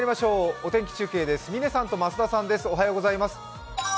お天気中継です。